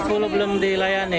ini jam sepuluh belum dilayani